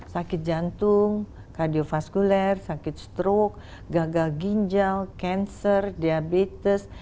sakit jantung kardiofaskuler sakit stroke gagal ginjal cancer diabetes